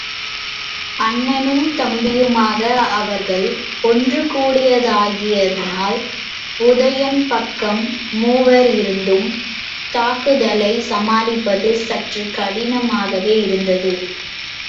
அண்ணனும் தம்பியுமாக அவர்கள் ஒன்று கூடித்தாக்கியதனால், உதயணன் பக்கம் மூவர் இருந்தும் தாக்குதலைச் சமாளிப்பது சற்றுக் கடினமாகவே இருந்தது.